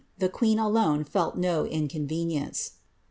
Tlie queen alone felt no inconvenience.'